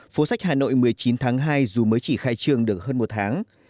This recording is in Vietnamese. phố sách hà nội một mươi chín tháng hai dù mới chỉ khai trương được hơn một tháng